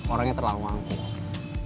orangnya terlalu angkuh